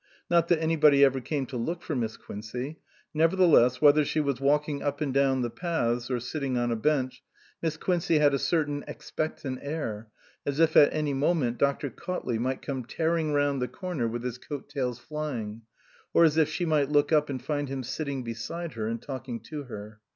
Not that anybody ever came to look for Miss Quincey. Nevertheless, whether she was walking up and down the paths or sitting on a bench, Miss Quincey had a certain ex pectant air, as if at any moment Dr. Cautley might come tearing round the corner with his coat tails flying, or as if she might look up and find him sitting beside her and talking to her.